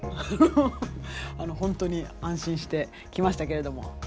あのほんとに安心して来ましたけれども。